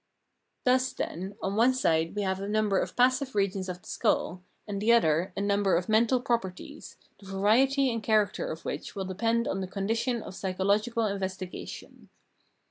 Thus then, on one side we have a number of passive regions of the skull, on the other a number of mental properties, the variety and character of which will depend on the condition of psychological investigation.